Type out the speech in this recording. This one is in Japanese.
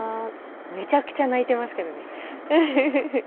めちゃくちゃ泣いてますけどね。